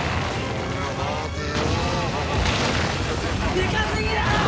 でかすぎだろ！